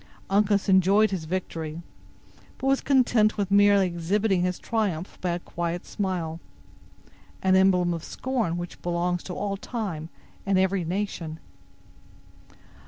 Uncas enjoyed his victory, but was content with merely exhibiting his triumph by a quiet smile—an emblem of scorn which belongs to all time and every nation.